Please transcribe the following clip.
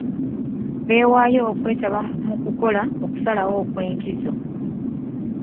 Beewaayo okwetaba mu kukola okusalawo okw'enkizo.